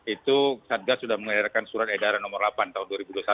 itu satgas sudah mengeluarkan surat edaran nomor delapan tahun dua ribu dua puluh satu